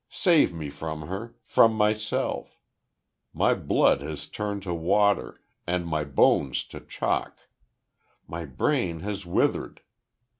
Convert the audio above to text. Save me from her from myself My blood has turned to water, and my bones to chalk! My brain has withered!